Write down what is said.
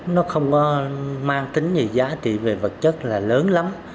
nó không có mang tính gì giá trị về vật chất là lớn lắm